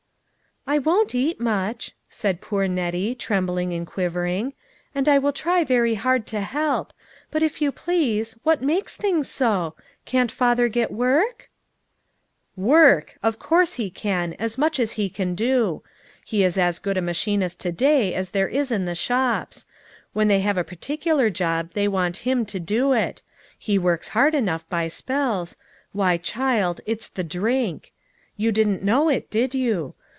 "I won't eat much," said poor Nettie, trem bling and quivering, " and I will try very hard to help ; but if you please, what makes things so ? Can't father get work ?"" Work ! of course he can ; as much as he can do. He is as good a machinist to day as there is in the shops ; when they have a particular job they want him to do it. He works hard enough by spells ; why, child, it's the drink. You didn't know it, did you